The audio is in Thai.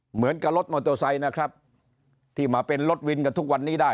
เหมือนกับรถมอเตอร์ไซค์นะครับที่มาเป็นรถวินกันทุกวันนี้ได้